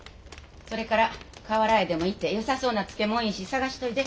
それから河原へでも行ってよさそうな漬物石探しといで。